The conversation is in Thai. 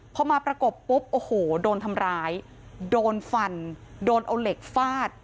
พอมาประกบปุ๊บโอ้โหโดนทำร้ายโดนฟันโดนเอาเหล็กฟาด